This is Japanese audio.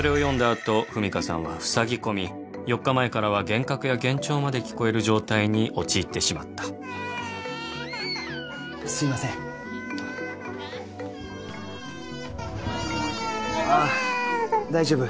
あと文香さんはふさぎこみ４日前からは幻覚や幻聴まで聞こえる状態に陥ってしまったすいません大丈夫？